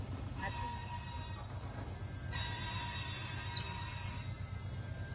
But nothing can be accomplished by not taking a chance at all.